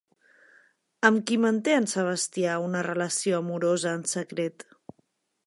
Amb qui manté en Sebastià una relació amorosa en secret?